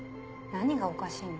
何がおかしいの？